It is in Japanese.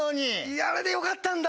あれでよかったんだ。